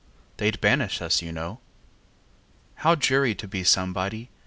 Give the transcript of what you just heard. They 'd banish us, you know. How dreary to be somebody!